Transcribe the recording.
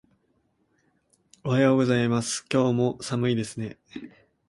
おはようございます。今日も寒いですね。